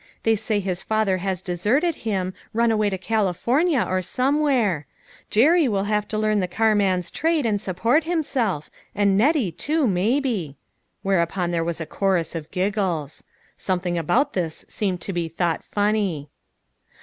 They say his father has deserted him, run away to California, or somewhere ; Jerry will have to learn the car man's trade, and support himself, and Nettie, too, maybe." Whereupon there was a chorus of giggles. Something about this seemed to be thought funny.